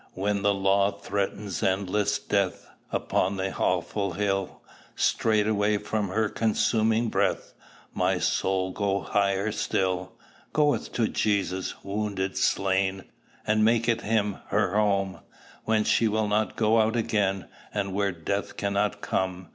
When the law threatens endless death Upon the awful hill, Straightway from her consuming breath My soul goes higher still, Goeth to Jesus, wounded, slain, And maketh him her home, Whence she will not go out again, And where death cannot come.